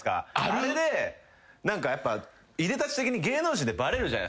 あれで何かやっぱいでたち的に芸能人ってバレるじゃないっすか。